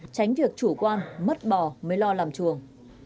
tránh việc chủ quan mất bò mới lo làm chuồng